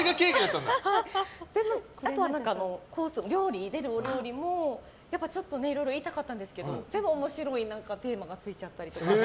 でも、あとは出るお料理もいろいろ言いたかったんですけど全部、面白いテーマがついちゃったりとか。